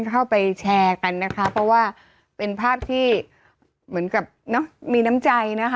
เข้าไปแชร์กันนะคะเพราะว่าเป็นภาพที่เหมือนกับเนอะมีน้ำใจนะคะ